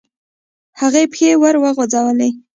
هغې پښې وروغځولې.